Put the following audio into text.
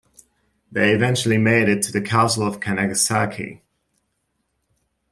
They eventually made it to the castle of Kanagasaki.